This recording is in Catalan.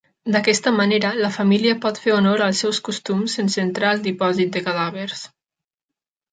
D'aquesta manera, la família pot fer honor als seus costums sense entrar al dipòsit de cadàvers.